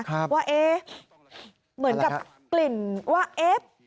ว่าเอ๊ะเหมือนกับกลิ่นว่าเอ๊ะ